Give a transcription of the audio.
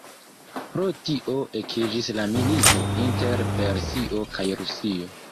Pro tio ekiĝis la milito inter Persio kaj Rusio.